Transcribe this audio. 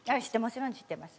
知ってます。